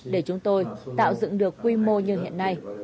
để chúng tôi tạo dựng được quy mô như hiện nay